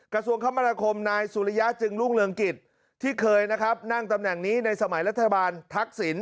กระทรวงคมนาคมนายสุริยะจึงรุ่งเรืองกิจที่เคยนะครับนั่งตำแหน่งนี้ในสมัยรัฐบาลทักษิณ